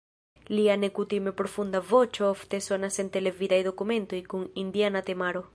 Lia nekutime profunda voĉo ofte sonas en televidaj dokumentoj kun indiana temaro.